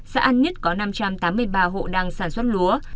xã an nhất có năm trăm tám mươi ba hộ đang sản xuất lúa